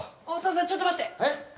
お父さんちょっと待ってえっ